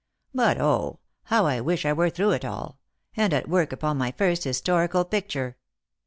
But, O, how I wish I were through it all, and at work upon my first historical picture